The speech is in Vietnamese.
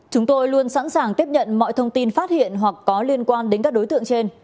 chúng tôi luôn sẵn sàng tiếp nhận mọi thông tin phát hiện hoặc có liên quan đến các đối tượng trên